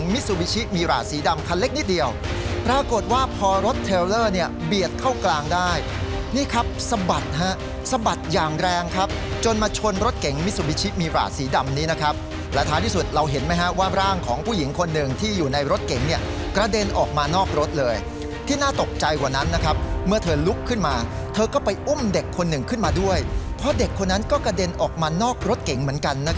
มิสุบิชิมีราสีดำคันเล็กนิดเดียวปรากฏว่าพอรถเทรอร์เนี่ยเบียดเข้ากลางได้นี่ครับสะบัดฮะสะบัดอย่างแรงครับจนมาชนรถเก่งมิสุบิชิมีราสีดำนี้นะครับแล้วท้ายที่สุดเราเห็นไหมฮะว่าร่างของผู้หญิงคนหนึ่งที่อยู่ในรถเก่งเนี่ยกระเด็นออกมานอกรถเลยที่น่าตกใจกว่านั้นนะครับเมื่อเธอลุ